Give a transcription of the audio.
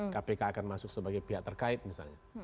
kpk akan masuk sebagai pihak terkait misalnya